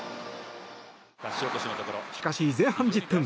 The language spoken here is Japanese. しかし、前半１０分。